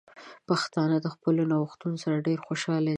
پښتانه د خپلو نوښتونو سره ډیر خوشحال دي.